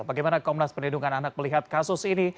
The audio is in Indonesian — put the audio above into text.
bagaimana komnas perlindungan anak melihat kasus ini